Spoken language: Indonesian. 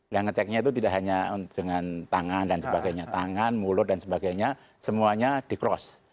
dan ngeceknya itu tidak hanya dengan tangan dan sebagainya tangan mulut dan sebagainya semuanya di cross